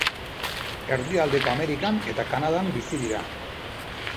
Erdialdeko Amerikan eta Kanadan bizi dira.